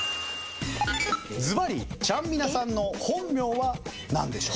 ずばりちゃんみなさんの本名はなんでしょう？